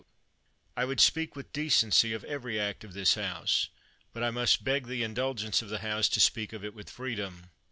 1 I would speak with decency of every act of this House; but I must beg the indulgence of the House to speak of it with freedom.